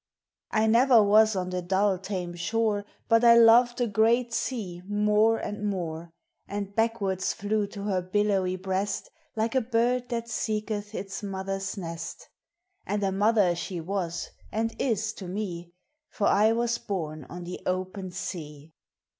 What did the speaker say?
1 never was on the dull, tame shore, But I loved the great sea more and more, And backwards flew to her billowy breast, Like a bird that seeketh its mother's nest; And a mother she was, and is, to me; For I was born on the open sea